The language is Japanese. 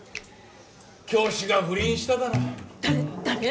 教師が不倫しただの。